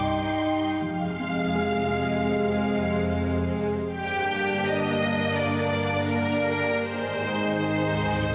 ketuhan mau ya